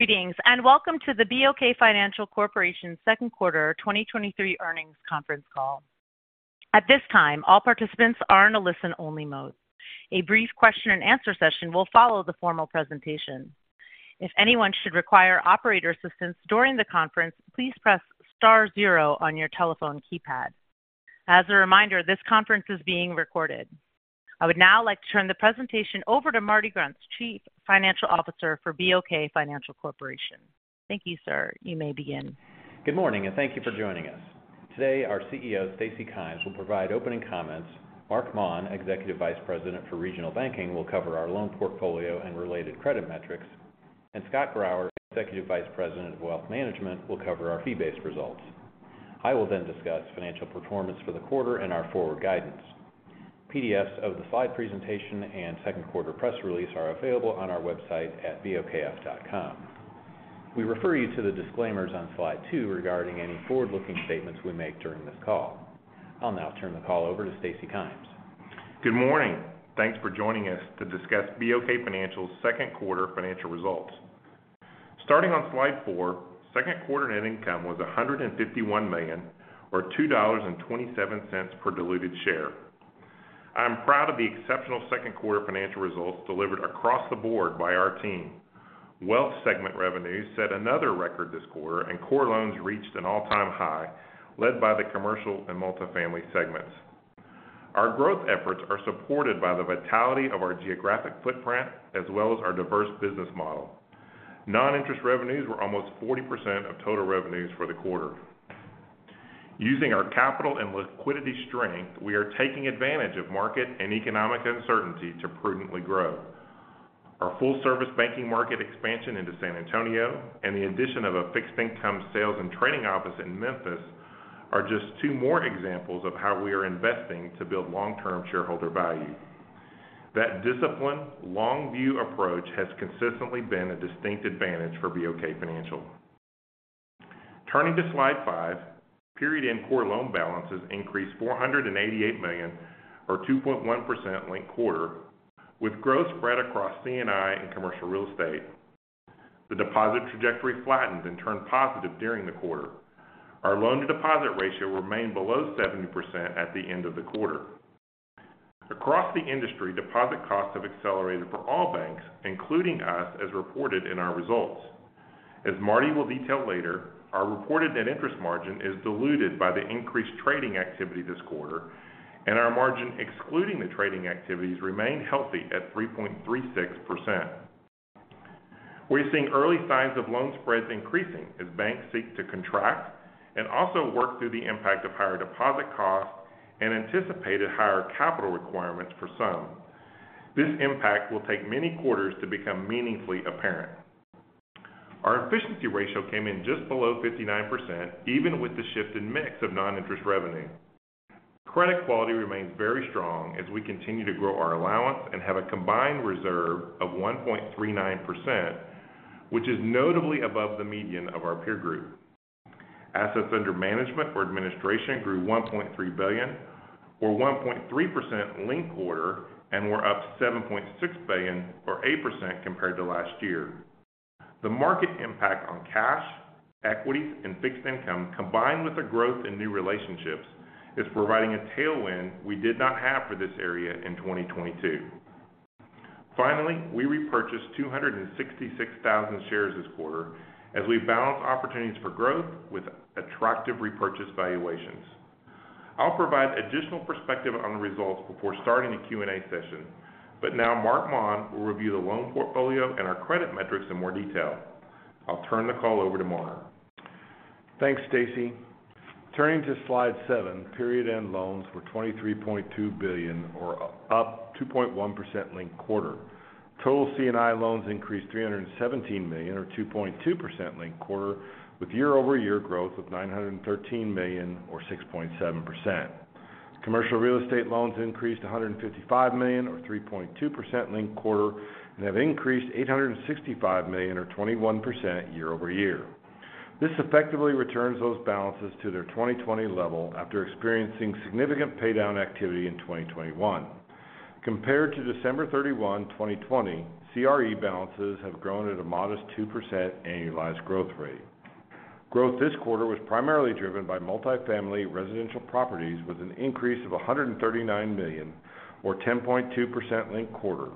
Greetings, and welcome to the BOK Financial Corporation Q2 2023 earnings conference call. At this time, all participants are in a listen-only mode. A brief question-and-answer session will follow the formal presentation. If anyone should require operator assistance during the conference, please press star zero on your telephone keypad. As a reminder, this conference is being recorded. I would now like to turn the presentation over to Marty Grunst, Chief Financial Officer for BOK Financial Corporation. Thank you, sir. You may begin. Good morning, and thank you for joining us. Today, our CEO, Stacy Kymes, will provide opening comments. Marc Maun, Executive Vice President for Regional Banking, will cover our loan portfolio and related credit metrics, and Scott Grauer, Executive Vice President of Wealth Management, will cover our fee-based results. I will then discuss financial performance for the quarter and our forward guidance. PDFs of the slide presentation and Q2 press release are available on our website at bokf.com. We refer you to the disclaimers on slide two regarding any forward-looking statements we make during this call. I'll now turn the call over to Stacy Kymes. Good morning. Thanks for joining us to discuss BOK Financial's Q2 financial results. Starting on slide four, Q2 net income was $151 million, or $2.27 per diluted share. I'm proud of the exceptional Q2 financial results delivered across the board by our team. Wealth segment revenues set another record this quarter, and core loans reached an all-time high, led by the commercial and multifamily segments. Our growth efforts are supported by the vitality of our geographic footprint, as well as our diverse business model. Non-interest revenues were almost 40% of total revenues for the quarter. Using our capital and liquidity strength, we are taking advantage of market and economic uncertainty to prudently grow. Our full-service banking market expansion into San Antonio, and the addition of a fixed income sales and trading office in Memphis are just two more examples of how we are investing to build long-term shareholder value. That disciplined, long-view approach has consistently been a distinct advantage for BOK Financial. Turning to slide five, period-end core loan balances increased $488 million or 2.1% linked quarter, with growth spread across C&I and Commercial Real Estate. The deposit trajectory flattened and turned positive during the quarter. Our loan-to-deposit ratio remained below 70% at the end of the quarter. Across the industry, deposit costs have accelerated for all banks, including us, as reported in our results. As Marty will detail later, our reported net interest margin is diluted by the increased trading activity this quarter, and our margin, excluding the trading activities, remained healthy at 3.36%. We're seeing early signs of loan spreads increasing as banks seek to contract and also work through the impact of higher deposit costs and anticipated higher capital requirements for some. This impact will take many quarters to become meaningfully apparent. Our efficiency ratio came in just below 59%, even with the shift in mix of non-interest revenue. Credit quality remains very strong as we continue to grow our allowance and have a combined reserve of 1.39%, which is notably above the median of our peer group. Assets under management or administration grew $1.3 billion, or 1.3% linked quarter, and were up $7.6 billion, or 8% compared to last year. The market impact on cash, equities, and fixed income, combined with the growth in new relationships, is providing a tailwind we did not have for this area in 2022. We repurchased 266,000 shares this quarter as we balance opportunities for growth with attractive repurchase valuations. I'll provide additional perspective on the results before starting the Q&A session. Marc Maun will review the loan portfolio and our credit metrics in more detail. I'll turn the call over to Marc. Thanks, Stacy. Turning to slide seven, period-end loans were $23.2 billion or up 2.1% linked-quarter. Total C&I loans increased $317 million, or 2.2% linked-quarter, with year-over-year growth of $913 million or 6.7%. Commercial Real Estate loans increased $155 million, or 3.2% linked-quarter, and have increased $865 million or 21% year-over-year. This effectively returns those balances to their 2020 level after experiencing significant paydown activity in 2021. Compared to December 31, 2020, CRE balances have grown at a modest 2% annualized growth rate. Growth this quarter was primarily driven by multifamily residential properties, with an increase of $139 million, or 10.2% linked-quarter.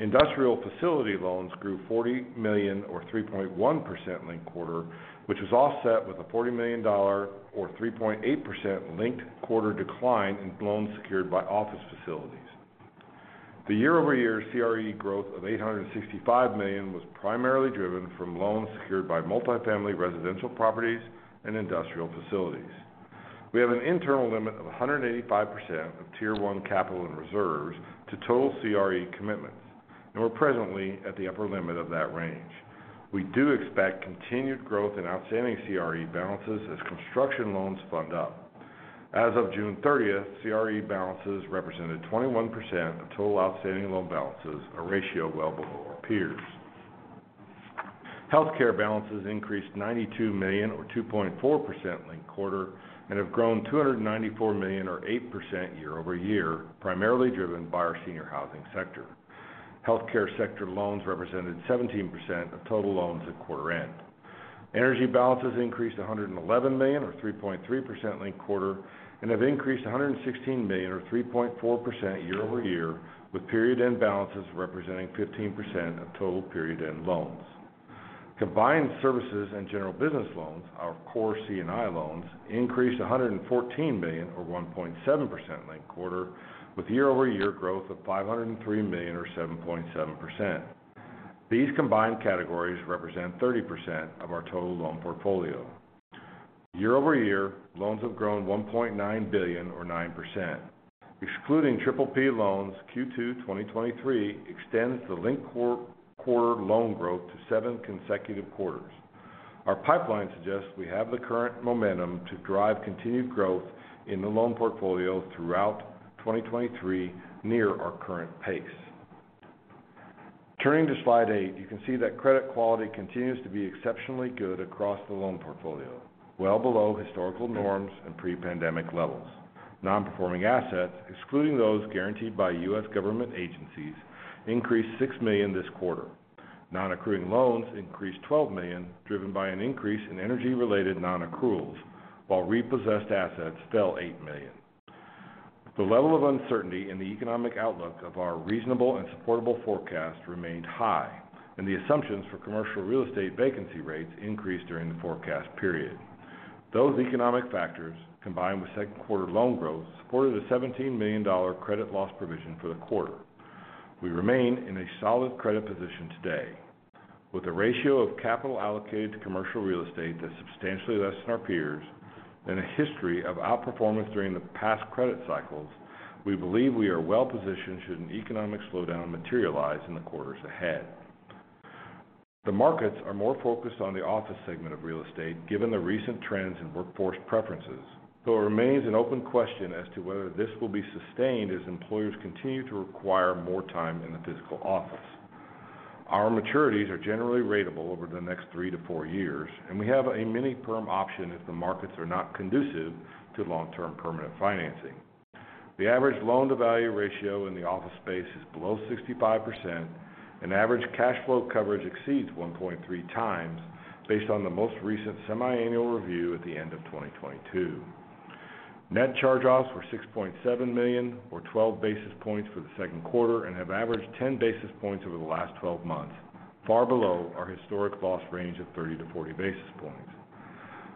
Industrial facility loans grew $40 million, or 3.1% linked quarter, which is offset with a $40 million or 3.8% linked quarter decline in loans secured by office facilities. The year-over-year CRE growth of $865 million was primarily driven from loans secured by multifamily residential properties and industrial facilities. We have an internal limit of 185% of Tier 1 capital and reserves to total CRE commitments, we're presently at the upper limit of that range. We do expect continued growth in outstanding CRE balances as construction loans fund up. As of June 30, CRE balances represented 21% of total outstanding loan balances, a ratio well below our peers. Healthcare balances increased $92 million, or 2.4% linked quarter, and have grown $294 million or 8% year-over-year, primarily driven by our senior housing sector. Healthcare sector loans represented 17% of total loans at quarter end. Energy balances increased $111 million, or 3.3% linked quarter, and have increased $116 million, or 3.4% year-over-year, with period-end balances representing 15% of total period-end loans. Combined services and general business loans, our core C&I loans, increased $114 million or 1.7% linked quarter, with year-over-year growth of $503 million or 7.7%. These combined categories represent 30% of our total loan portfolio. Year-over-year, loans have grown $1.9 billion or 9%. Excluding triple P loans, Q2 2023 extends the linked quarter loan growth to seven consecutive quarters. Our pipeline suggests we have the current momentum to drive continued growth in the loan portfolio throughout 2023, near our current pace. Turning to slide eight, you can see that credit quality continues to be exceptionally good across the loan portfolio, well below historical norms and pre-pandemic levels. Non-performing assets, excluding those guaranteed by U.S. government agencies, increased $6 million this quarter. Non-accruing loans increased $12 million, driven by an increase in energy-related non-accruals, while repossessed assets fell $8 million. The level of uncertainty in the economic outlook of our reasonable and supportable forecast remained high, and the assumptions for Commercial Real Estate vacancy rates increased during the forecast period. Those economic factors, combined with Q2 loan growth, supported a $17 million credit loss provision for the quarter. We remain in a solid credit position today. With a ratio of capital allocated to Commercial Real Estate that's substantially less than our peers and a history of outperformance during the past credit cycles, we believe we are well positioned should an economic slowdown materialize in the quarters ahead. The markets are more focused on the office segment of real estate, given the recent trends in workforce preferences, though it remains an open question as to whether this will be sustained as employers continue to require more time in the physical office. Our maturities are generally ratable over the next three to four years, and we have a mini-perm option if the markets are not conducive to long-term permanent financing. The average loan-to-value ratio in the office space is below 65%, and average cash flow coverage exceeds 1.3x, based on the most recent semiannual review at the end of 2022. Net charge-offs were $6.7 million, or 12 basis points for the Q2, and have averaged 10 basis points over the last 12 months, far below our historic loss range of 30-40 basis points.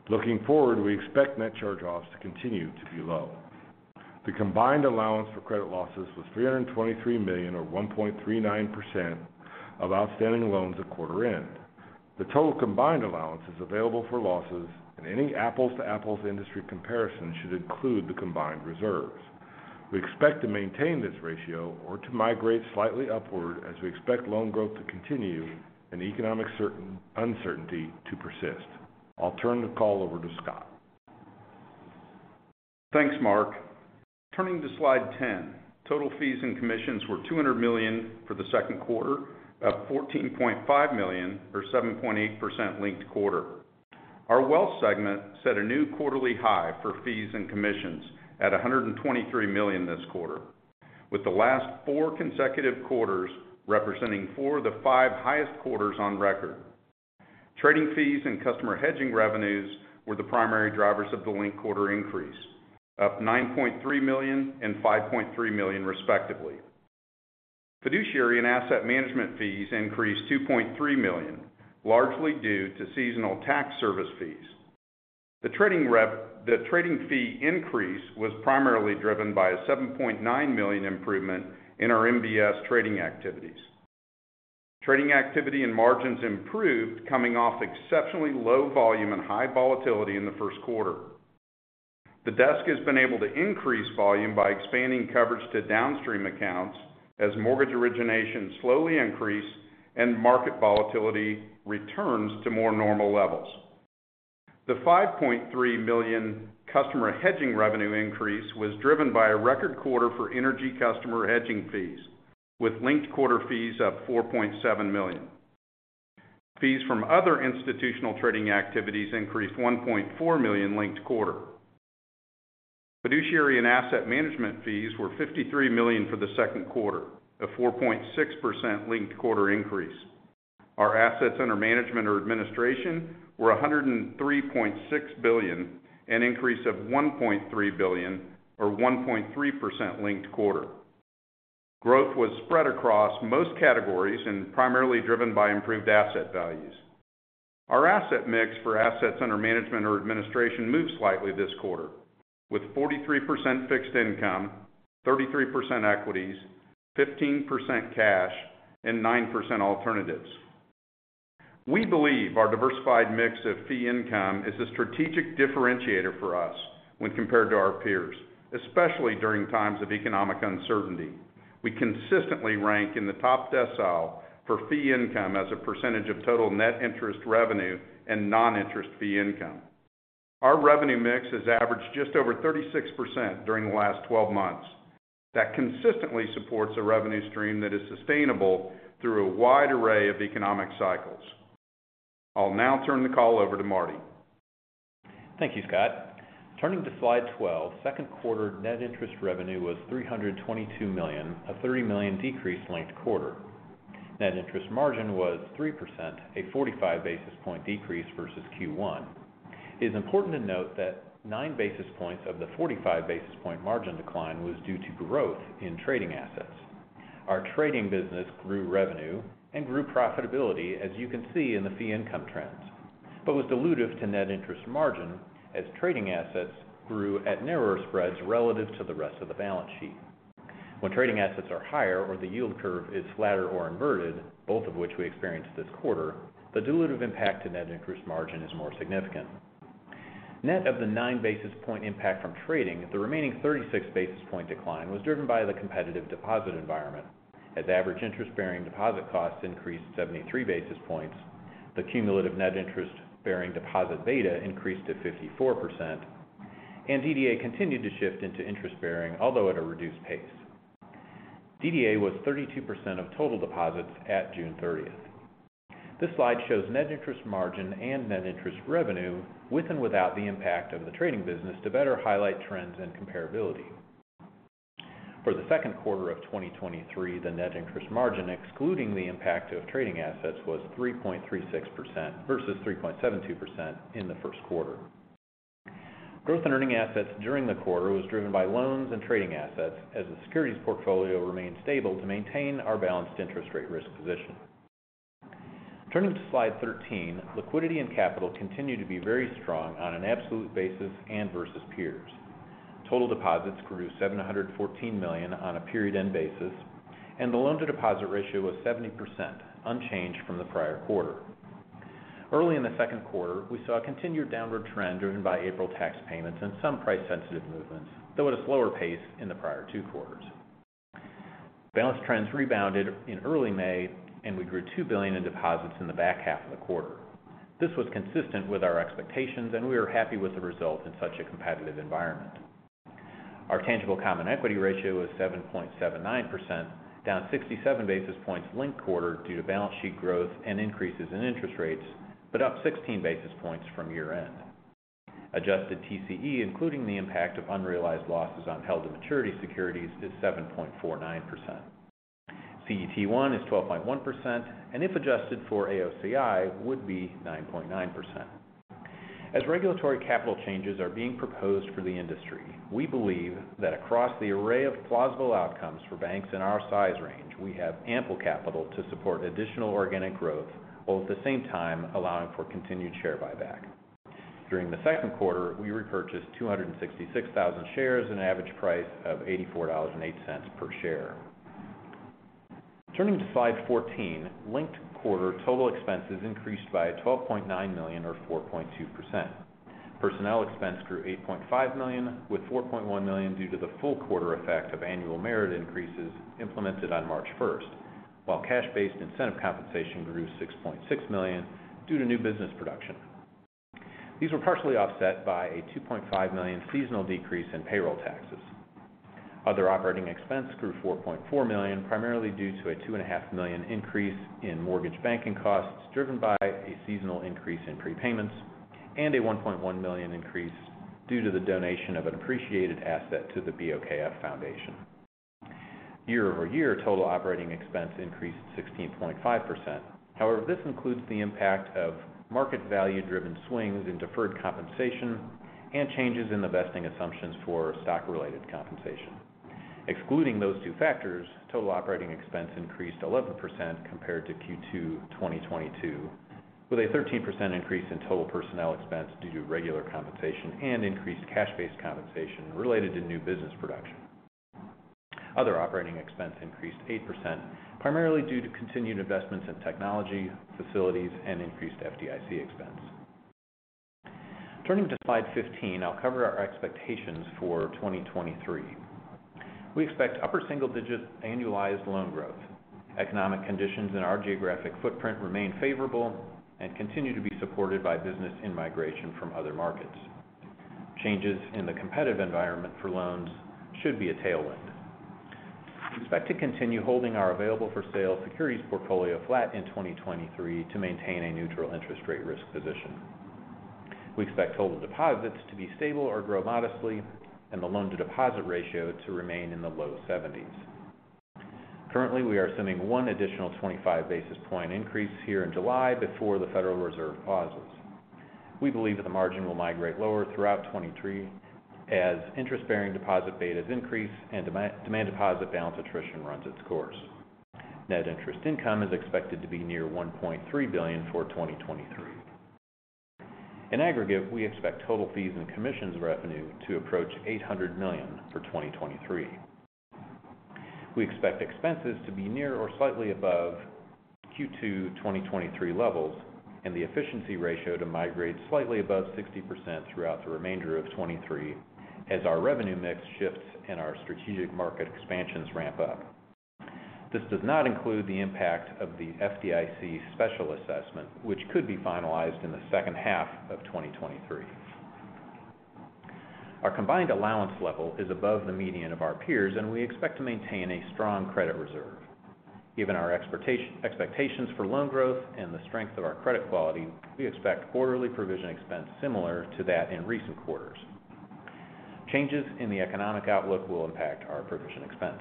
Looking forward, we expect net charge-offs to continue to be low. The combined allowance for credit losses was $323 million, or 1.39% of outstanding loans at quarter end. The total combined allowance is available for losses, and any apples-to-apples industry comparison should include the combined reserves. We expect to maintain this ratio or to migrate slightly upward as we expect loan growth to continue and economic uncertainty to persist. I'll turn the call over to Scott. Thanks, Marc. Turning to slide 10, total fees and commissions were $200 million for the Q2, up $14.5 million, or 7.8% linked-quarter. Our wealth segment set a new quarterly high for fees and commissions at $123 million this quarter, with the last four consecutive quarters representing four of the five highest quarters on record. Trading fees and customer hedging revenues were the primary drivers of the linked-quarter increase, up $9.3 million and $5.3 million, respectively. Fiduciary and asset management fees increased $2.3 million, largely due to seasonal tax service fees. The trading fee increase was primarily driven by a $7.9 million improvement in our MBS trading activities. Trading activity and margins improved, coming off exceptionally low volume and high volatility in the Q1. The desk has been able to increase volume by expanding coverage to downstream accounts as mortgage originations slowly increase and market volatility returns to more normal levels. The $5.3 million customer hedging revenue increase was driven by a record quarter for energy customer hedging fees, with linked quarter fees up $4.7 million. Fees from other institutional trading activities increased $1.4 million linked quarter. Fiduciary and asset management fees were $53 million for the Q2, a 4.6% linked quarter increase. Our assets under management or administration were $103.6 billion, an increase of $1.3 billion or 1.3% linked quarter. Growth was spread across most categories and primarily driven by improved asset values. Our asset mix for assets under management or administration moved slightly this quarter, with 43% fixed income, 33% equities, 15% cash, and 9% alternatives. We believe our diversified mix of fee income is a strategic differentiator for us when compared to our peers, especially during times of economic uncertainty. We consistently rank in the top decile for fee income as a percentage of total net interest revenue and non-interest fee income. Our revenue mix has averaged just over 36% during the last 12 months. That consistently supports a revenue stream that is sustainable through a wide array of economic cycles. I'll now turn the call over to Marty. Thank you, Scott. Turning to slide 12, Q2 net interest revenue was $322 million, a $30 million decrease linked quarter. net interest margin was 3%, a 45 basis point decrease versus Q1. It is important to note that 9 basis points of the 45 basis point margin decline was due to growth in trading assets. Our trading business grew revenue and grew profitability, as you can see in the fee income trends, but was dilutive to net interest margin as trading assets grew at narrower spreads relative to the rest of the balance sheet. When trading assets are higher or the yield curve is flatter or inverted, both of which we experienced this quarter, the dilutive impact to net interest margin is more significant. Net of the 9 basis point impact from trading, the remaining 36 basis point decline was driven by the competitive deposit environment. Average interest-bearing deposit costs increased 73 basis points, the cumulative net interest-bearing deposit beta increased to 54%, DDA continued to shift into interest-bearing, although at a reduced pace. DDA was 32% of total deposits at June 30th. This slide shows net interest margin and net interest revenue with and without the impact of the trading business to better highlight trends and comparability. For the Q2 of 2023, the net interest margin, excluding the impact of trading assets, was 3.36% versus 3.72% in the Q1. Growth in earning assets during the quarter was driven by loans and trading assets, as the securities portfolio remained stable to maintain our balanced interest rate risk position. Turning to slide 13, liquidity and capital continue to be very strong on an absolute basis and versus peers. Total deposits grew $714 million on a period-end basis, and the loan-to-deposit ratio was 70%, unchanged from the prior quarter. Early in the Q2, we saw a continued downward trend driven by April tax payments and some price-sensitive movements, though at a slower pace in the prior two quarters. Balance trends rebounded in early May, and we grew $2 billion in deposits in the back half of the quarter. This was consistent with our expectations, and we are happy with the result in such a competitive environment. Our tangible common equity ratio is 7.79%, down 67 basis points linked quarter due to balance sheet growth and increases in interest rates, but up 16 basis points from year-end. Adjusted TCE, including the impact of unrealized losses on held-to-maturity securities, is 7.49%. CET1 is 12.1%, and if adjusted for AOCI, would be 9.9%. As regulatory capital changes are being proposed for the industry, we believe that across the array of plausible outcomes for banks in our size range, we have ample capital to support additional organic growth, while at the same time allowing for continued share buyback. During the Q2, we repurchased 266,000 shares at an average price of $84.08 per share. Turning to slide 14, linked quarter total expenses increased by $12.9 million, or 4.2%. Personnel expense grew $8.5 million, with $4.1 million due to the full quarter effect of annual merit increases implemented on March 1st, while cash-based incentive compensation grew $6.6 million due to new business production. These were partially offset by a $2.5 million seasonal decrease in payroll taxes. Other operating expense grew $4.4 million, primarily due to a two and a half million increase in mortgage banking costs, driven by a seasonal increase in prepayments and a $1.1 million increase due to the donation of an appreciated asset to the BOKF Foundation. Year-over-year, total operating expense increased 16.5%. This includes the impact of market value-driven swings in deferred compensation and changes in the vesting assumptions for stock-related compensation. Excluding those two factors, total operating expense increased 11% compared to Q2 2022, with a 13% increase in total personnel expense due to regular compensation and increased cash-based compensation related to new business production. Other operating expense increased 8%, primarily due to continued investments in technology, facilities, and increased FDIC expense. Turning to slide 15, I'll cover our expectations for 2023. We expect upper single-digit annualized loan growth. Economic conditions in our geographic footprint remain favorable and continue to be supported by business in migration from other markets. Changes in the competitive environment for loans should be a tailwind. We expect to continue holding our available-for-sale securities portfolio flat in 2023 to maintain a neutral interest rate risk position. We expect total deposits to be stable or grow modestly and the loan-to-deposit ratio to remain in the low seventies. Currently, we are assuming one additional 25 basis point increase here in July before the Federal Reserve pauses. We believe that the margin will migrate lower throughout 2023 as interest-bearing deposit betas increase and demand deposit balance attrition runs its course. Net interest income is expected to be near $1.3 billion for 2023. In aggregate, we expect total fees and commissions revenue to approach $800 million for 2023. We expect expenses to be near or slightly above Q2 2023 levels and the efficiency ratio to migrate slightly above 60% throughout the remainder of 2023, as our revenue mix shifts and our strategic market expansions ramp up. This does not include the impact of the FDIC special assessment, which could be finalized in the second half of 2023. Our combined allowance level is above the median of our peers. We expect to maintain a strong credit reserve. Given our expectations for loan growth and the strength of our credit quality, we expect quarterly provision expense similar to that in recent quarters. Changes in the economic outlook will impact our provision expense.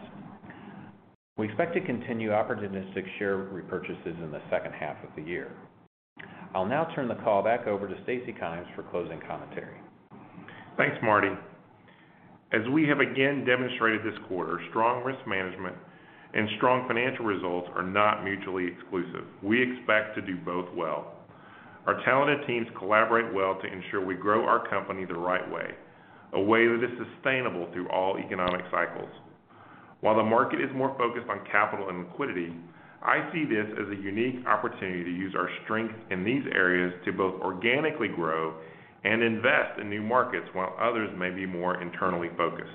We expect to continue opportunistic share repurchases in the second half of the year. I'll now turn the call back over to Stacy Kymes for closing commentary. Thanks, Marty. As we have again demonstrated this quarter, strong risk management and strong financial results are not mutually exclusive. We expect to do both well. Our talented teams collaborate well to ensure we grow our company the right way, a way that is sustainable through all economic cycles. While the market is more focused on capital and liquidity, I see this as a unique opportunity to use our strength in these areas to both organically grow and invest in new markets, while others may be more internally focused.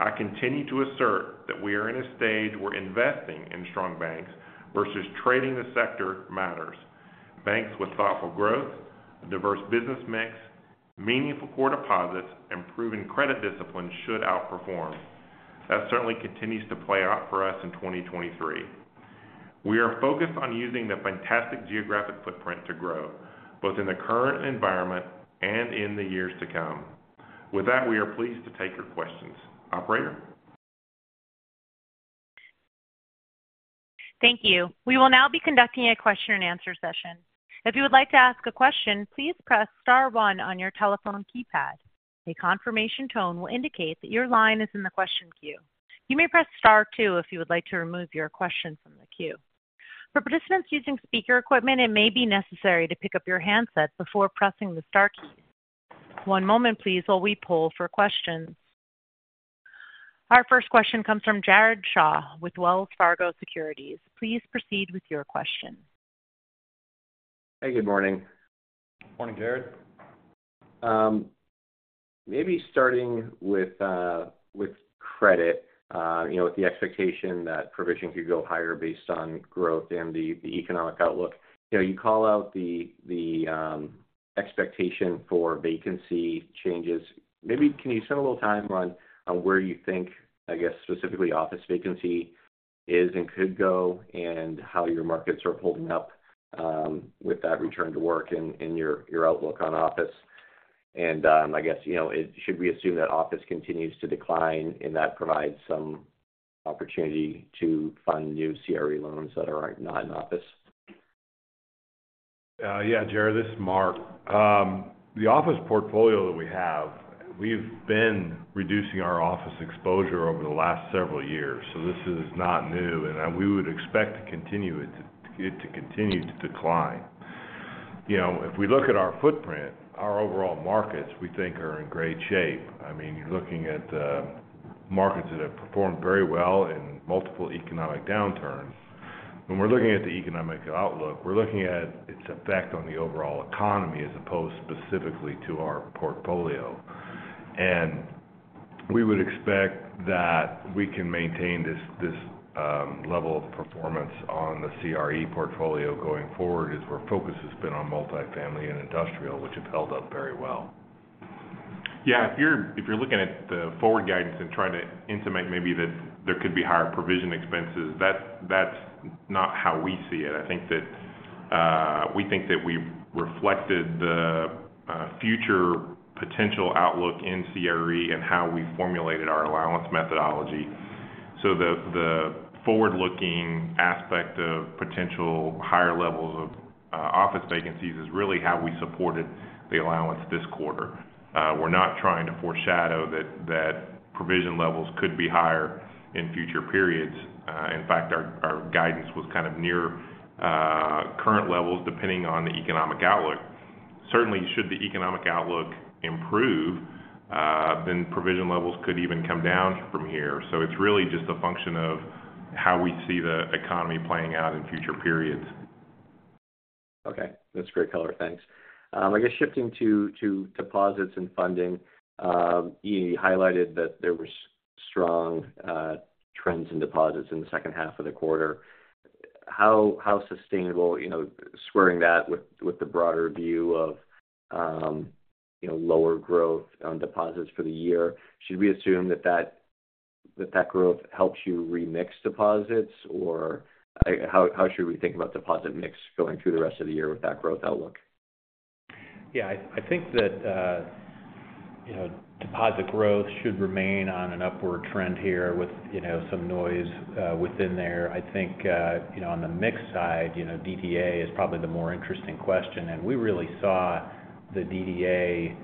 I continue to assert that we are in a stage where investing in strong banks versus trading the sector matters. Banks with thoughtful growth, a diverse business mix, meaningful core deposits, and proven credit discipline should outperform. That certainly continues to play out for us in 2023. We are focused on using the fantastic geographic footprint to grow, both in the current environment and in the years to come. With that, we are pleased to take your questions. Operator? Thank you. We will now be conducting a question-and-answer session. If you would like to ask a question, please press star one on your telephone keypad. A confirmation tone will indicate that your line is in the question queue. You may press star two if you would like to remove your question from the queue. For participants using speaker equipment, it may be necessary to pick up your handset before pressing the star key. One moment, please, while we poll for questions. Our first question comes from Jared Shaw with Wells Fargo Securities. Please proceed with your question. Hey, good morning. Morning, Jared. Maybe starting with credit, you know, with the expectation that provision could go higher based on growth and the economic outlook. You know, you call out the expectation for vacancy changes. Maybe can you spend a little time on where you think, I guess, specifically, office vacancy is and could go, and how your markets are holding up with that return to work and your outlook on office? I guess, you know, should we assume that office continues to decline, and that provides some opportunity to fund new CRE loans that are not in office? Yeah, Jared, this is Marc. The office portfolio that we have, we've been reducing our office exposure over the last several years, so this is not new, and we would expect it to continue to decline. You know, if we look at our footprint, our overall markets, we think are in great shape. I mean, you're looking at markets that have performed very well in multiple economic downturns. When we're looking at the economic outlook, we're looking at its effect on the overall economy as opposed specifically to our portfolio. We would expect that we can maintain this level of performance on the CRE portfolio going forward, as where focus has been on multifamily and industrial, which have held up very well. Yeah, if you're looking at the forward guidance and trying to intimate maybe that there could be higher provision expenses, that's not how we see it. I think that we think that we reflected the future potential outlook in CRE and how we formulated our allowance methodology. The forward-looking aspect of potential higher levels of office vacancies is really how we supported the allowance this quarter. We're not trying to foreshadow that provision levels could be higher in future periods. In fact, our guidance was kind of near current levels, depending on the economic outlook. Certainly, should the economic outlook improve, then provision levels could even come down from here. It's really just a function of how we see the economy playing out in future periods. Okay. That's great color. Thanks. I guess shifting to deposits and funding, you highlighted that there was strong trends in deposits in the second half of the quarter. How sustainable, you know, squaring that with the broader view of, you know, lower growth on deposits for the year? Should we assume that that growth helps you remix deposits, or how should we think about deposit mix going through the rest of the year with that growth outlook? Yeah, I think that, you know, deposit growth should remain on an upward trend here with, you know, some noise within there. I think, you know, on the mix side, you know, DDA is probably the more interesting question, and we really saw the DDA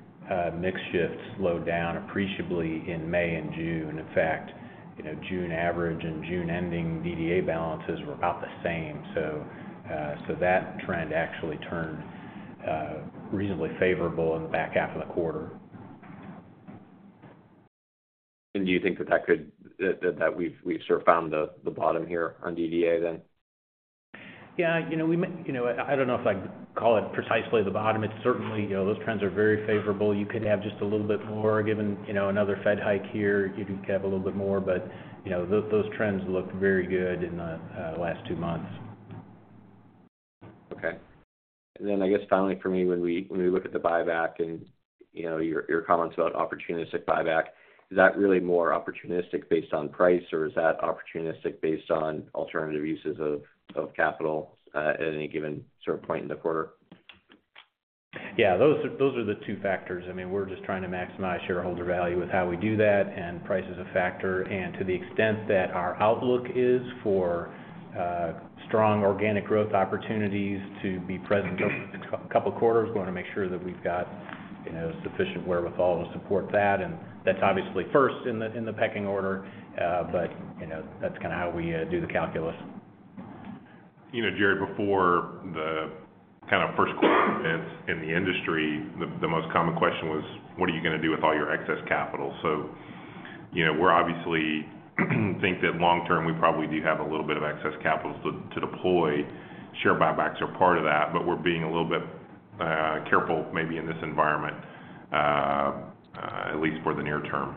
mix shift slow down appreciably in May and June. In fact, you know, June average and June-ending DDA balances were about the same. That trend actually turned reasonably favorable in the back half of the quarter. Do you think that we've sort of found the bottom here on DDA then? Yeah, you know, I don't know if I'd call it precisely the bottom. It's certainly, you know, those trends are very favorable. You could have just a little bit more given, you know, another Fed hike here. You could have a little bit more, but, you know, those trends looked very good in the last two months. Okay. I guess finally for me, when we look at the buyback and, you know, your comments about opportunistic buyback, is that really more opportunistic based on price? Or is that opportunistic based on alternative uses of capital at any given sort of point in the quarter? Yeah, those are the two factors. I mean, we're just trying to maximize shareholder value with how we do that, and price is a factor. To the extent that our outlook is for strong organic growth opportunities to be present over the couple quarters, we want to make sure that we've got, you know, sufficient wherewithal to support that. That's obviously first in the pecking order. You know, that's kind of how we do the calculus. You know, Jared before the kind of Q1 events in the industry, the most common question was: What are you going to do with all your excess capital? You know, we're obviously, think that long term, we probably do have a little bit of excess capital to deploy. Share buybacks are part of that, but we're being a little bit careful, maybe in this environment, at least for the near term.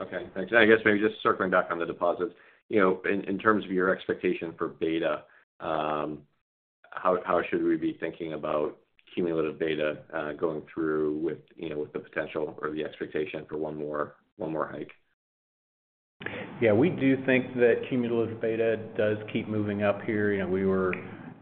Okay, thanks. I guess maybe just circling back on the deposits. You know, in terms of your expectation for beta, how should we be thinking about cumulative beta, going through with, you know, with the potential or the expectation for one more hike? Yeah, we do think that cumulative beta does keep moving up here. You know, we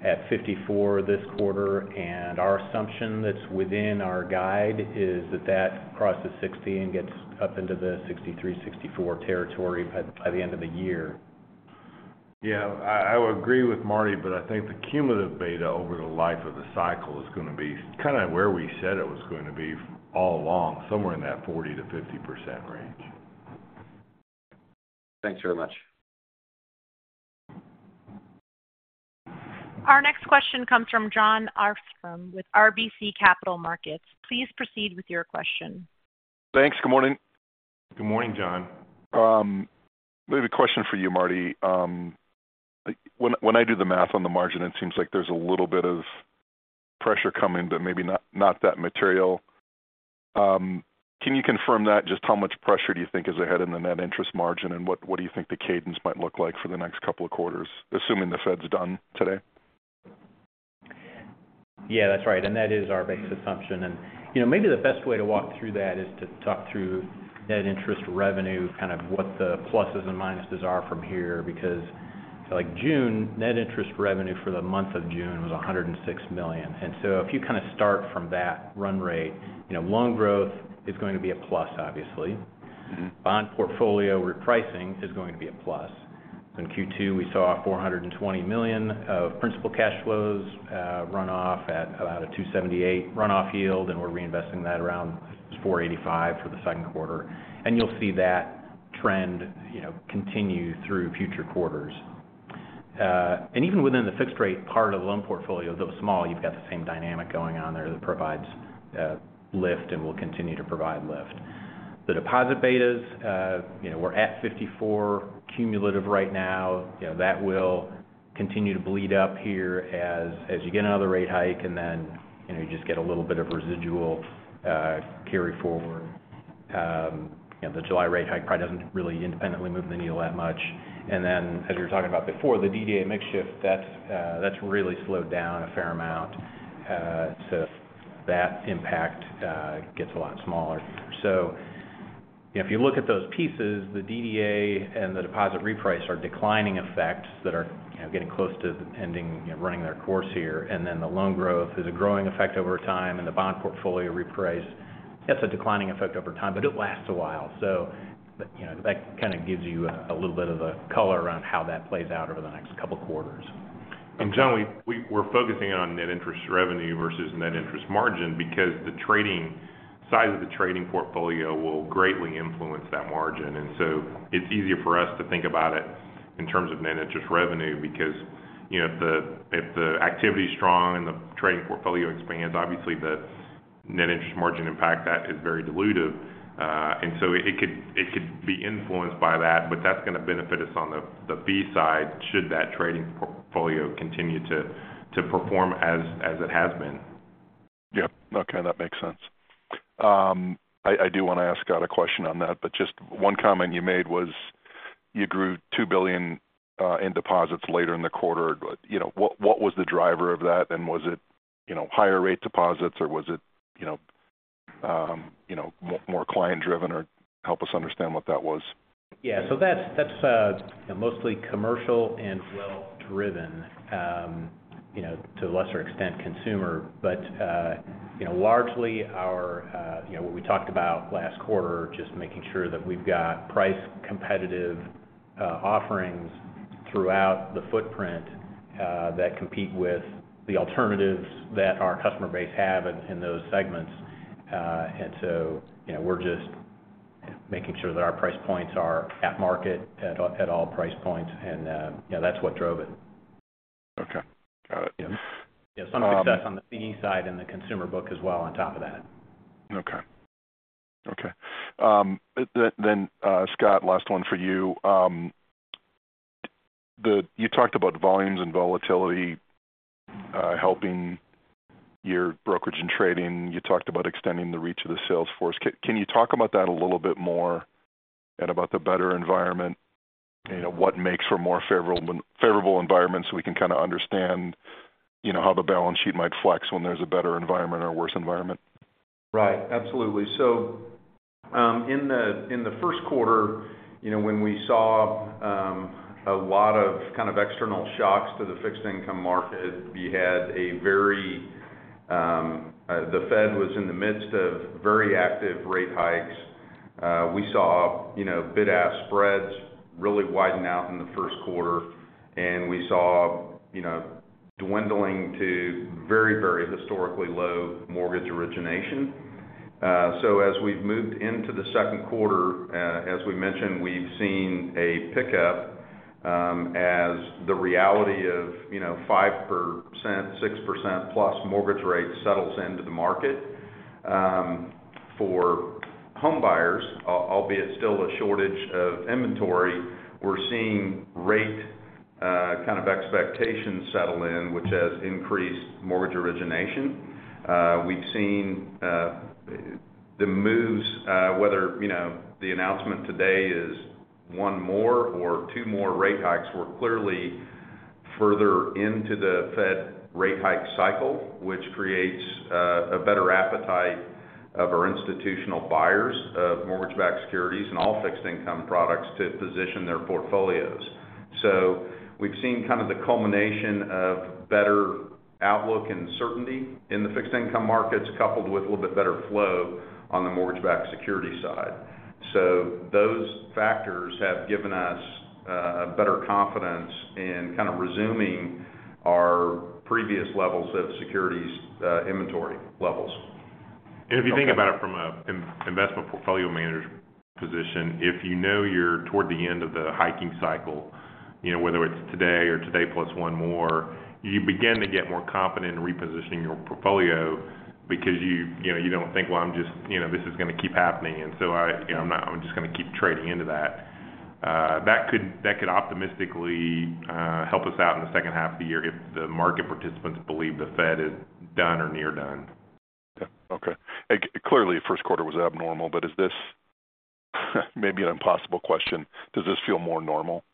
were at 54 this quarter, and our assumption that's within our guide is that that crosses 60 and gets up into the 63, 64 territory by the end of the year. Yeah, I would agree with Marty, but I think the cumulative beta over the life of the cycle is going to be kind of where we said it was going to be all along, somewhere in that 40%-50% range. Thanks very much. Our next question comes from Jon Arfstrom with RBC Capital Markets. Please proceed with your question. Thanks. Good morning. Good morning, Jon. Maybe a question for you, Marty. When I do the math on the margin, it seems like there's a little bit of pressure coming, but maybe not that material. Can you confirm that? Just how much pressure do you think is ahead in the net interest margin, and what do you think the cadence might look like for the next couple of quarters, assuming the Fed's done today? Yeah, that's right, that is our base assumption. You know, maybe the best way to walk through that is to talk through net interest revenue, kind of what the pluses and minuses are from here, because so, like, June, net interest revenue for the month of June was $106 million. If you kind of start from that run rate, you know, loan growth is going to be a plus, obviously. Mm-hmm. Bond portfolio repricing is going to be a plus. In Q2, we saw $420 million of principal cash flows run off at about a 2.78% runoff yield, and we're reinvesting that around 4.85% for the Q2. You'll see that trend, you know, continue through future quarters. Even within the fixed rate part of the loan portfolio, though small, you've got the same dynamic going on there that provides lift and will continue to provide lift. The deposit betas, you know, we're at 54% cumulative right now. You know, that will continue to bleed up here as you get another rate hike, and then, you know, you just get a little bit of residual carry forward. You know, the July rate hike probably doesn't really independently move the needle that much. As we were talking about before, the DDA mix shift, that's really slowed down a fair amount. So that impact gets a lot smaller. If you look at those pieces, the DDA and the deposit reprice are declining effects that are, you know, getting close to ending, you know, running their course here. The loan growth is a growing effect over time, and the bond portfolio reprice, that's a declining effect over time, but it lasts a while. You know, that kind of gives you a little bit of a color around how that plays out over the next couple of quarters. Jon, we're focusing on net interest revenue versus net interest margin because the trading, size of the trading portfolio will greatly influence that margin. It's easier for us to think about it in terms of net interest revenue, because, you know, if the, if the activity is strong and the trading portfolio expands, obviously the net interest margin impact, that is very dilutive. It could be influenced by that, but that's going to benefit us on the fee side, should that trading portfolio continue to perform as it has been. Yeah. Okay, that makes sense. I do want to ask Scott a question on that, but just one comment you made was you grew $2 billion in deposits later in the quarter. You know, what was the driver of that? Was it, you know, higher rate deposits, or was it, more client driven or? Help us understand what that was. Yeah. That's mostly commercial and well driven, you know, to a lesser extent, consumer. Largely our, you know, what we talked about last quarter, just making sure that we've got price competitive offerings throughout the footprint that compete with the alternatives that our customer base have in those segments. You know, we're just making sure that our price points are at market at all price points. You know, that's what drove it. Okay. Got it. Yeah. Some success on the fee side and the consumer book as well on top of that. Okay. Okay. Scott, last one for you. You talked about volumes and volatility, helping-... your brokerage and trading, you talked about extending the reach of the sales force. Can you talk about that a little bit more, and about the better environment? You know, what makes for more favorable environments, so we can kind of understand, you know, how the balance sheet might flex when there's a better environment or a worse environment? Right. Absolutely. In the, in the Q1, you know, when we saw a lot of kind of external shocks to the fixed income market, we had a very, the Fed was in the midst of very active rate hikes. We saw, you know, bid-ask spreads really widen out in the Q1, and we saw, you know, dwindling to very, very historically low mortgage origination. As we've moved into the Q2, as we mentioned, we've seen a pickup as the reality of, you know, 5%, 6% plus mortgage rate settles into the market. For home buyers, albeit still a shortage of inventory, we're seeing rate kind of expectations settle in, which has increased mortgage origination. We've seen the moves, whether, you know, the announcement today is one more or two more rate hikes, we're clearly further into the Fed rate hike cycle, which creates a better appetite of our institutional buyers of mortgage-backed securities and all fixed income products to position their portfolios. We've seen kind of the culmination of better outlook and certainty in the fixed income markets, coupled with a little bit better flow on the mortgage-backed security side. Those factors have given us a better confidence in kind of resuming our previous levels of securities, inventory levels. If you think about it from a investment portfolio manager's position, if you know you're toward the end of the hiking cycle, you know, whether it's today or today plus one more, you begin to get more confident in repositioning your portfolio because you know, you don't think, "Well, you know, this is going to keep happening, and so I, you know, I'm just gonna keep trading into that." That could optimistically help us out in the second half of the year if the market participants believe the Fed is done or near done. Yeah. Okay. Clearly, Q1 was abnormal, but is this, maybe an impossible question: Does this feel more normal?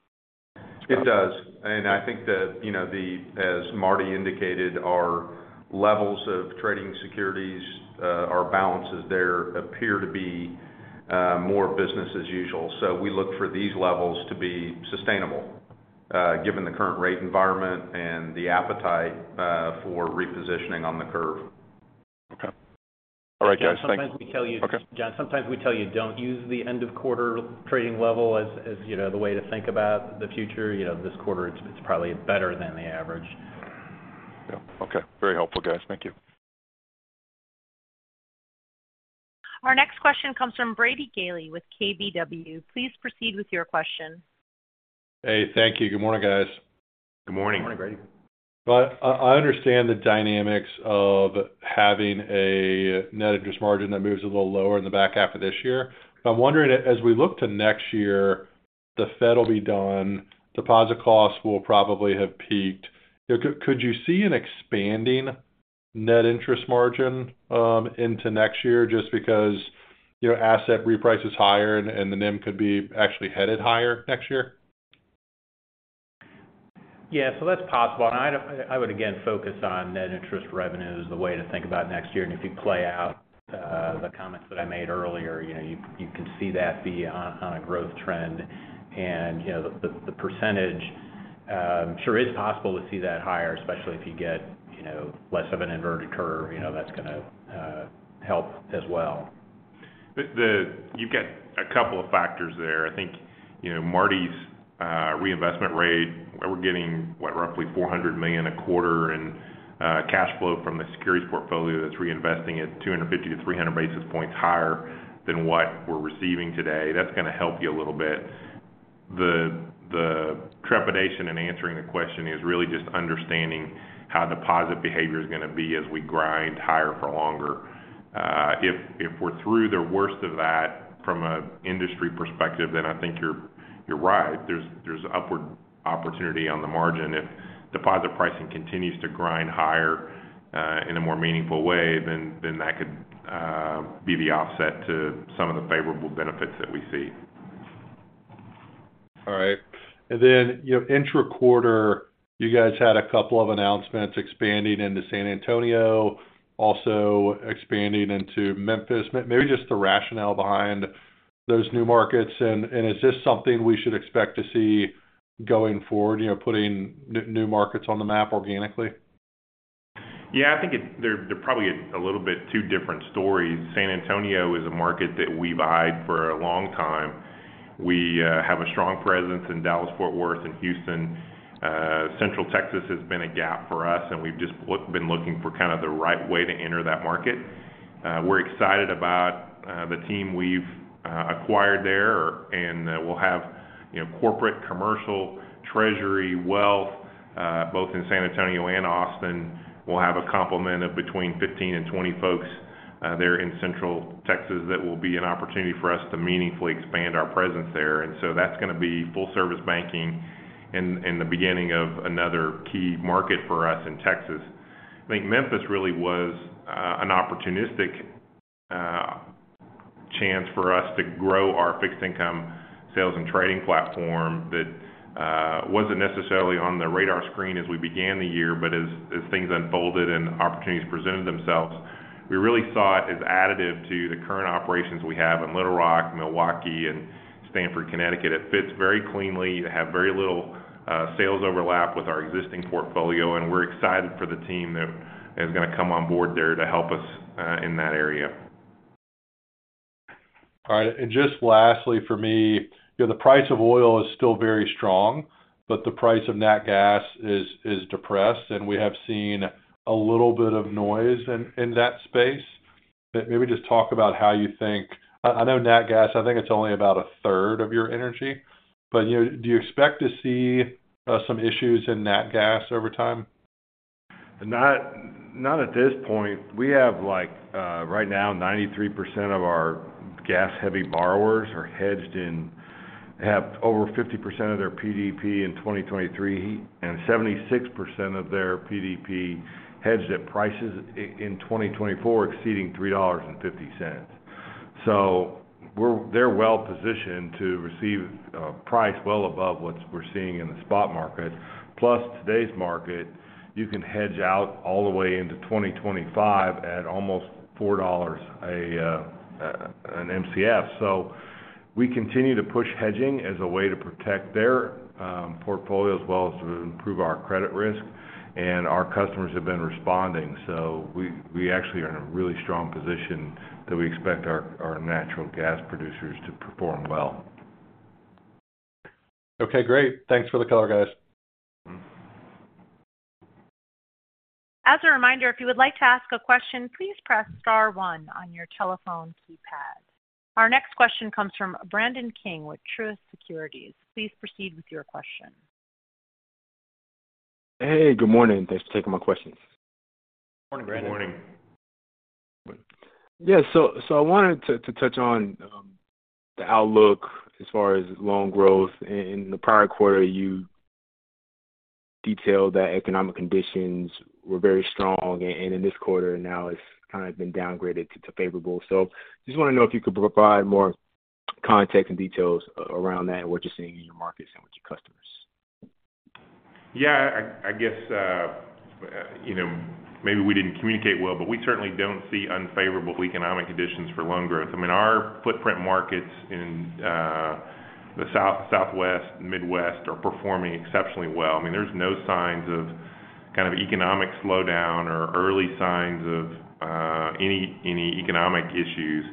It does. I think that, you know, the, as Marty indicated, our levels of trading securities, our balances there appear to be more business as usual. We look for these levels to be sustainable, given the current rate environment and the appetite for repositioning on the curve. Okay. All right, guys. Thank you. Sometimes we tell you- Okay. Jon, sometimes we tell you, don't use the end of quarter trading level as you know, the way to think about the future. You know, this quarter, it's probably better than the average. Yeah. Okay. Very helpful, guys. Thank you. Our next question comes from Brady Gailey with KBW. Please proceed with your question. Hey, thank you. Good morning, guys. Good morning. Good morning, Brady. I understand the dynamics of having a net interest margin that moves a little lower in the back half of this year. I'm wondering, as we look to next year, the Fed will be done, deposit costs will probably have peaked. Could you see an expanding net interest margin into next year just because, you know, asset reprice is higher and the NIM could be actually headed higher next year? That's possible, I would again focus on net interest revenue as the way to think about next year. If you play out the comments that I made earlier, you know, you can see that be on a growth trend. You know, the percentage, sure, it's possible to see that higher, especially if you get, you know, less of an inverted curve, you know, that's gonna help as well. You've got a couple of factors there. I think, you know, Marty's reinvestment rate, we're getting, what? Roughly $400 million a quarter in cash flow from the securities portfolio. That's reinvesting at 250-300 basis points higher than what we're receiving today. That's gonna help you a little bit. The trepidation in answering the question is really just understanding how deposit behavior is gonna be as we grind higher for longer. If we're through the worst of that from a industry perspective, then I think you're right. There's upward opportunity on the margin. If deposit pricing continues to grind higher in a more meaningful way, then that could be the offset to some of the favorable benefits that we see. All right. Then, you know, intra-quarter, you guys had a couple of announcements expanding into San Antonio, also expanding into Memphis. Maybe just the rationale behind those new markets, and is this something we should expect to see going forward, you know, putting new markets on the map organically? Yeah, I think they're probably a little bit two different stories. San Antonio is a market that we've eyed for a long time. We have a strong presence in Dallas-Fort Worth and Houston. Central Texas has been a gap for us, and we've just been looking for kind of the right way to enter that market. We're excited about the team we've acquired there, and we'll have, you know, corporate, commercial, treasury, wealth, both in San Antonio and Austin. We'll have a complement of between 15 and 20 folks there in Central Texas, that will be an opportunity for us to meaningfully expand our presence there. That's going to be full-service banking and the beginning of another key market for us in Texas. I think Memphis really was an opportunistic chance for us to grow our fixed income sales and trading platform, that wasn't necessarily on the radar screen as we began the year. As things unfolded and opportunities presented themselves, we really saw it as additive to the current operations we have in Little Rock, Milwaukee, and Stamford, Connecticut. It fits very cleanly. They have very little sales overlap with our existing portfolio, and we're excited for the team that is going to come on board there to help us in that area. All right. Just lastly, for me, you know, the price of oil is still very strong, but the price of nat gas is depressed, and we have seen a little bit of noise in that space. Maybe just talk about how you think, I know nat gas, I think it's only about a third of your energy, but, you know, do you expect to see some issues in nat gas over time? Not at this point. We have, like, right now, 93% of our gas-heavy borrowers are hedged, have over 50% of their PDP in 2023, and 76% of their PDP hedged at prices in 2024, exceeding $3.50. They're well positioned to receive price well above what we're seeing in the spot market. Plus, today's market, you can hedge out all the way into 2025 at almost $4 an MCF. We continue to push hedging as a way to protect their portfolio, as well as to improve our credit risk, and our customers have been responding. We actually are in a really strong position that we expect our natural gas producers to perform well. Okay, great. Thanks for the color, guys. As a reminder, if you would like to ask a question, please press star one on your telephone keypad. Our next question comes from Brandon King with Truist Securities. Please proceed with your question. Hey, good morning. Thanks for taking my questions. Morning, Brandon. Good morning. I wanted to touch on the outlook as far as loan growth. In the prior quarter, you detailed that economic conditions were very strong, and in this quarter, now it's kind of been downgraded to favorable. Just want to know if you could provide more context and details around that, and what you're seeing in your markets and with your customers? Yeah, I guess, you know, maybe we didn't communicate well, but we certainly don't see unfavorable economic conditions for loan growth. I mean, our footprint markets in the South, Southwest, and Midwest are performing exceptionally well. I mean, there's no signs of kind of economic slowdown or early signs of any economic issues.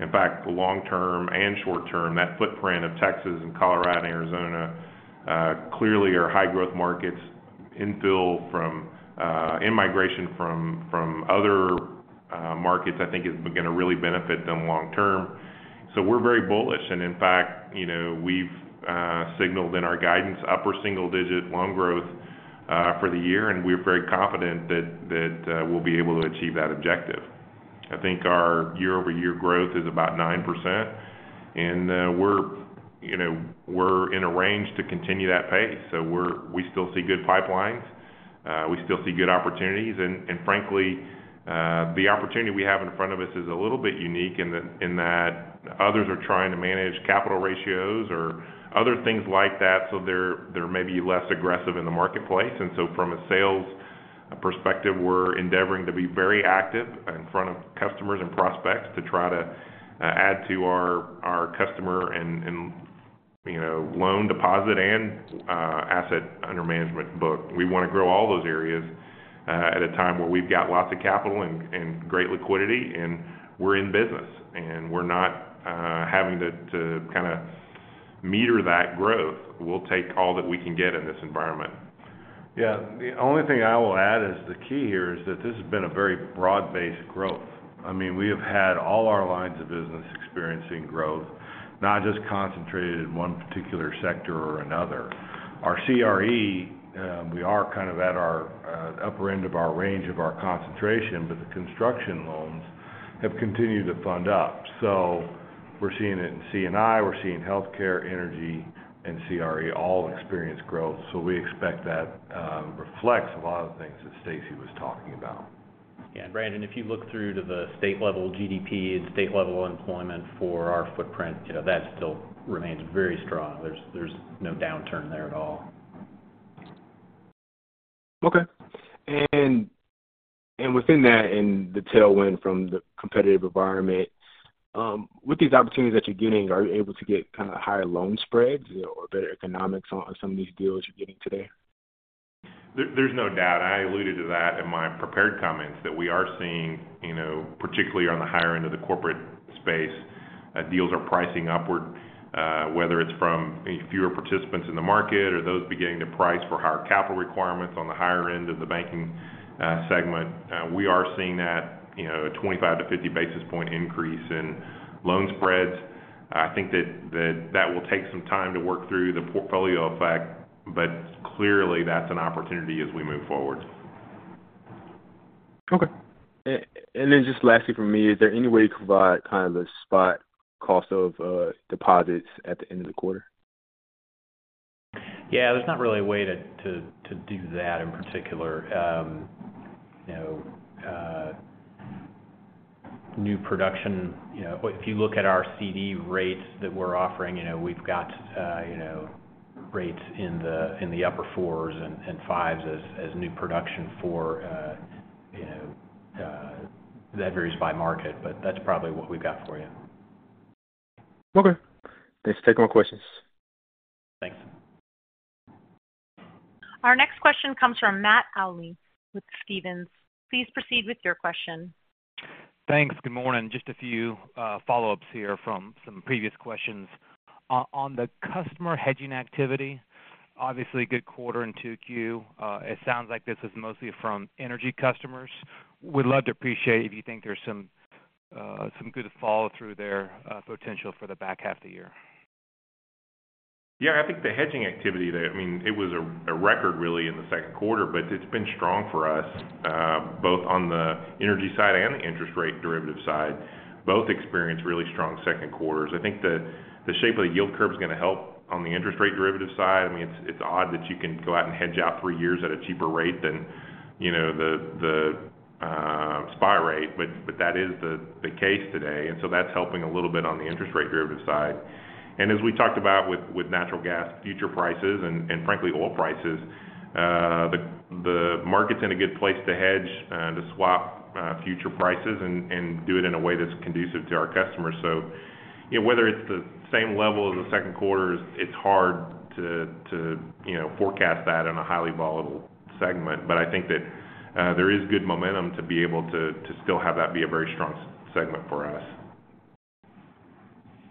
In fact, the long term and short term, that footprint of Texas and Colorado and Arizona, clearly are high-growth markets. Infill from in-migration from other markets, I think is going to really benefit them long term. We're very bullish. In fact, you know, we've signaled in our guidance upper single-digit loan growth for the year, and we're very confident that we'll be able to achieve that objective. I think our year-over-year growth is about 9%, and, you know, we're in a range to continue that pace. We still see good pipelines, we still see good opportunities. Frankly, the opportunity we have in front of us is a little bit unique, in that, in that others are trying to manage capital ratios or other things like that, so they're maybe less aggressive in the marketplace. From a sales perspective, we're endeavoring to be very active in front of customers and prospects to try to add to our customer and, you know, loan deposit and asset under management book. We want to grow all those areas, at a time where we've got lots of capital and great liquidity, and we're in business, and we're not having to kind of meter that growth. We'll take all that we can get in this environment. The only thing I will add is, the key here is that this has been a very broad-based growth. I mean, we have had all our lines of business experiencing growth, not just concentrated in one particular sector or another. Our CRE, we are kind of at our upper end of our range of our concentration, but the construction loans have continued to fund up. We're seeing it in C&I, we're seeing healthcare, energy, and CRE all experience growth. We expect that reflects a lot of the things that Stacy was talking about. Yeah, Brandon, if you look through to the state level GDP and state level employment for our footprint, you know, that still remains very strong. There's no downturn there at all. Okay. Within that, in the tailwind from the competitive environment, with these opportunities that you're getting, are you able to get kind of higher loan spreads or better economics on some of these deals you're getting today? There's no doubt, I alluded to that in my prepared comments, that we are seeing, you know, particularly on the higher end of the corporate space, deals are pricing upward, whether it's from fewer participants in the market or those beginning to price for higher capital requirements on the higher end of the banking segment. We are seeing that, you know, a 25 to 50 basis point increase in loan spreads. I think that will take some time to work through the portfolio effect. Clearly that's an opportunity as we move forward. Okay. Just lastly from me, is there any way you can provide kind of a spot cost of deposits at the end of the quarter? Yeah, there's not really a way to do that in particular. you know, new production, you know, if you look at our CD rates that we're offering, you know, we've got, you know, rates in the upper 4s and 5s as new production for, you know, that varies by market, but that's probably what we've got for you. Okay. Thanks, take more questions. Thanks. Our next question comes from Matt Olney with Stephens. Please proceed with your question. Thanks. Good morning. Just a few follow-ups here from some previous questions. On the customer hedging activity, obviously, a good quarter in 2Q. It sounds like this is mostly from energy customers. We'd love to appreciate if you think there's some good follow-through there, potential for the back half of the year. Yeah, I think the hedging activity there, I mean, it was a record really in the Q2, but it's been strong for us, both on the energy side and the interest rate derivative side. Both experienced really strong Q2s. I think the shape of the yield curve is going to help on the interest rate derivative side. I mean, it's odd that you can go out and hedge out three years at a cheaper rate than, you know, the spot rate, but that is the case today, and so that's helping a little bit on the interest rate derivative side. As we talked about with natural gas future prices, frankly, oil prices, the market's in a good place to hedge, to swap future prices and do it in a way that's conducive to our customers. You know, whether it's the same level as the Q2, it's hard to, you know, forecast that in a highly volatile segment. I think that there is good momentum to be able to still have that be a very strong segment for us.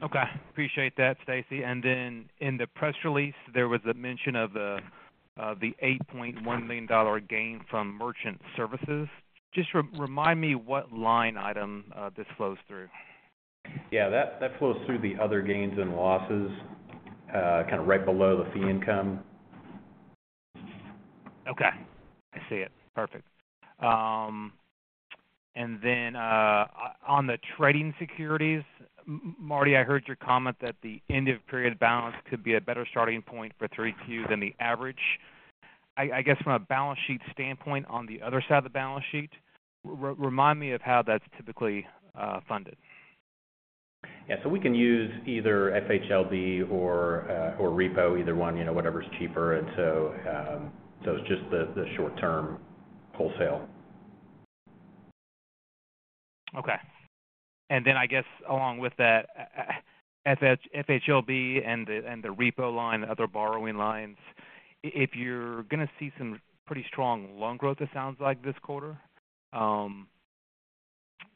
Appreciate that, Stacy. In the press release, there was a mention of the $8.1 million gain from merchant services. Just remind me what line item this flows through? Yeah, that flows through the other gains and losses, kind of right below the fee income. Okay, I see it. Perfect. On the trading securities, Marty, I heard your comment that the end of period balance could be a better starting point for 3Q than the average. I guess from a balance sheet standpoint, on the other side of the balance sheet, remind me of how that's typically funded. Yeah, we can use either FHLB or repo, either one, you know, whatever's cheaper. So it's just the short term wholesale. Okay. I guess along with that, FHLB and the repo line, other borrowing lines, if you're going to see some pretty strong loan growth, it sounds like this quarter,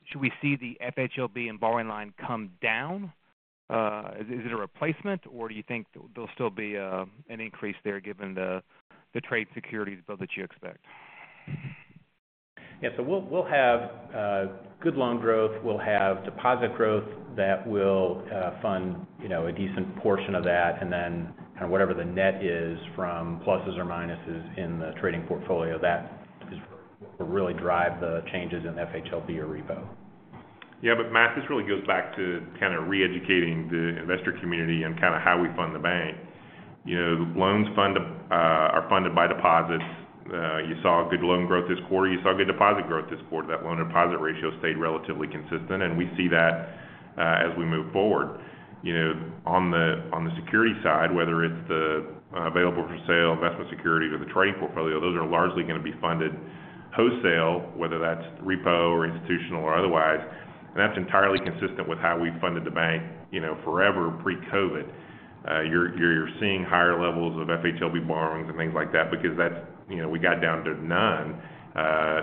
should we see the FHLB and borrowing line come down? Is it a replacement, or do you think there'll still be an increase there given the trade securities build that you expect? Yeah, we'll have good loan growth, we'll have deposit growth that will fund, you know, a decent portion of that. Kind of whatever the net is from pluses or minuses in the trading portfolio, that is will really drive the changes in FHLB or repo. Matt, this really goes back to kind of re-educating the investor community and kind of how we fund the bank. You know, loans fund, are funded by deposits. You saw a good loan growth this quarter. You saw a good deposit growth this quarter. That loan deposit ratio stayed relatively consistent, and we see that as we move forward. You know, on the, on the security side, whether it's the available-for-sale investment security, or the trading portfolio, those are largely going to be funded wholesale, whether that's repo or institutional or otherwise. That's entirely consistent with how we funded the bank, you know, forever pre-COVID. You're seeing higher levels of FHLB borrowings and things like that because that's, you know, we got down to none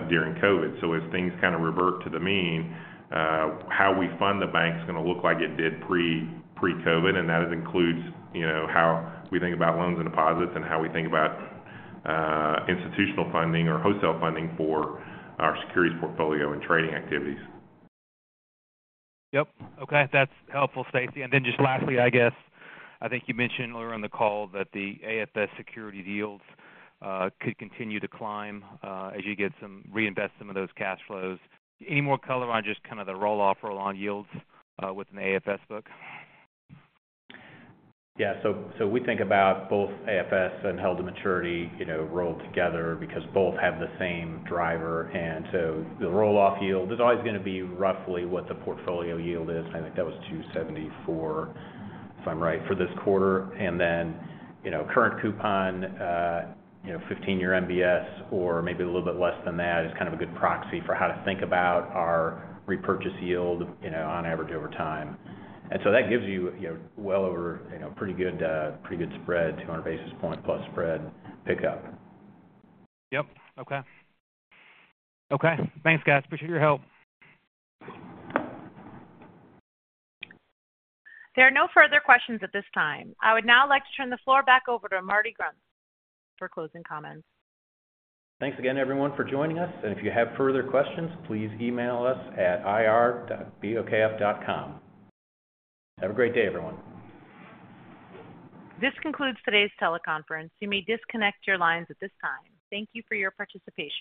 during COVID. As things kind of revert to the mean, how we fund the bank is going to look like it did pre-COVID, and that includes, you know, how we think about loans and deposits and how we think about institutional funding or wholesale funding for our securities portfolio and trading activities. Yep. Okay, that's helpful, Stacy. Just lastly, I guess, I think you mentioned earlier in the call that the AFS security deals could continue to climb as you reinvest some of those cash flows. Any more color on just kind of the roll-off, roll-on yields within the AFS book? We think about both AFS and held-to-maturity, you know, rolled together because both have the same driver. The roll-off yield is always going to be roughly what the portfolio yield is. I think that was 2.74%, if I'm right, for this quarter. Then, you know, current coupon, you know, 15-year MBS or maybe a little bit less than that, is kind of a good proxy for how to think about our repurchase yield, you know, on average over time. That gives you know, well over, you know, pretty good, pretty good spread, 200 basis point plus spread pickup. Yep. Okay. Okay. Thanks, guys. Appreciate your help. There are no further questions at this time. I would now like to turn the floor back over to Marty Grunst for closing comments. Thanks again, everyone, for joining us, and if you have further questions, please email us at ir.bokf.com. Have a great day, everyone. This concludes today's teleconference. You may disconnect your lines at this time. Thank you for your participation.